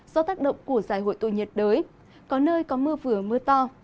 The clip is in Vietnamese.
do tác động của giải hồi tụ nhiệt đới có nơi có mưa vừa mưa to